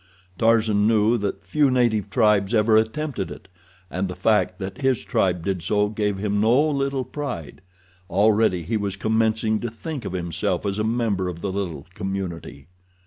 Tarzan knew that few native tribes ever attempted it, and the fact that his tribe did so gave him no little pride—already he was commencing to think of himself as a member of the little community.